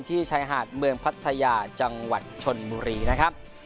ชายหาดเมืองพัทยาจังหวัดชนบุรีนะครับ